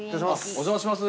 お邪魔します。